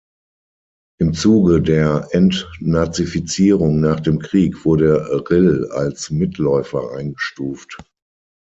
Im Zuge der Entnazifizierung nach dem Krieg wurde Rill als Mitläufer eingestuft.